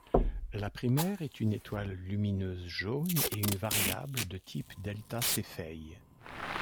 La primaire est une étoile lumineuse jaune et une variable de type δ Cephei.